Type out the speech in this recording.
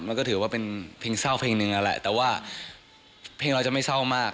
มันก็ถือว่าเป็นเพลงเศร้าเพลงหนึ่งนั่นแหละแต่ว่าเพลงเราจะไม่เศร้ามาก